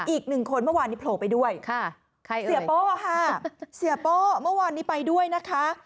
อีกหนึ่งคนเมื่อวานนี้โผล่ไปด้วยเสียโป้ค่ะเสียโป้เมื่อวานนี้ไปด้วยนะคะ